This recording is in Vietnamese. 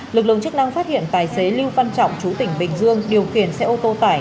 lực lượng chức năng phát hiện tài xế lưu văn trọng chú tỉnh bình dương điều khiển xe ô tô tải